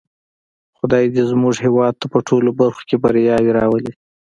خدای دې زموږ هېواد ته په ټولو برخو کې بریاوې راولی.